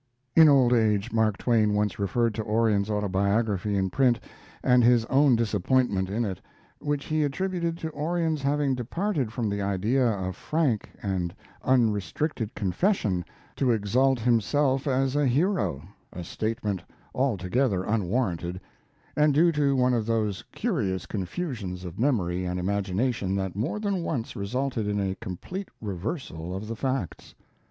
In old age Mark Twain once referred to Orion's autobiography in print and his own disappointment in it, which he attributed to Orion's having departed from the idea of frank and unrestricted confession to exalt himself as a hero a statement altogether unwarranted, and due to one of those curious confusions of memory and imagination that more than once resulted in a complete reversal of the facts.